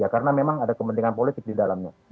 karena memang ada kepentingan politik didalamnya